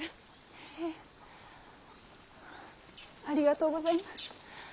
へぇありがとうございます！